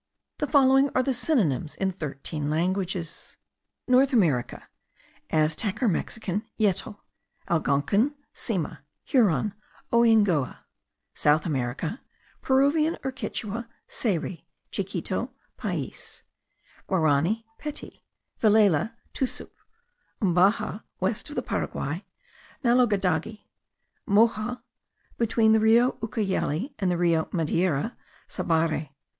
The following are the synonyms in thirteen languages. North America. Aztec or Mexican; yetl: Algonkin; sema: Huron; oyngoua. South America. Peruvian or Quichua; sayri: Chiquito; pais. Guarany; pety: Vilela; tusup: Mbaja (west of the Paraguay), nalodagadi: Moxo (between the Rio Ucayale and the Rio Madeira); sabare.